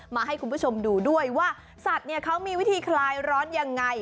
มาให้คุณผู้ชมดูด้วยว่าสัตว์เนี่ยเขามีวิธีคลายร้อนยังไง